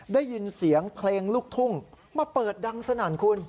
ได้ยินเสียงเพลงลูกทุ่งมาเปิดดังสนั่นคุณ